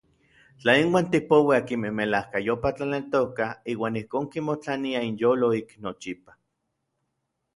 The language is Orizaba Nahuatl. Tla inuan tipouij akinmej melajkayopaj tlaneltokaj iuan ijkon kimotlaniaj inyolo ik nochipa.